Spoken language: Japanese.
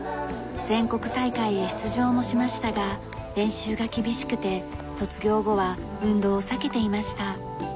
全国大会へ出場もしましたが練習が厳しくて卒業後は運動を避けていました。